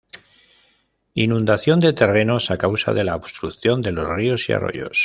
Inundación de terrenos a causa de la obstrucción de los ríos y arroyos.